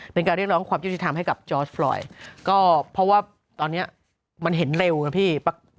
เป็นการเรียกร้องความยุติธรรมให้กับจอร์สลอยก็เพราะว่าตอนนี้มันเห็นเร็วนะพี่